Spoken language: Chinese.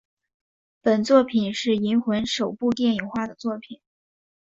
本作品是银魂首部电影化的作品。